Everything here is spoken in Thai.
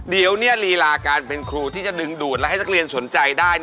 เดี๋ยวลีลาการเป็นครูที่จะดึงดูดและให้นักเรียนสนใจได้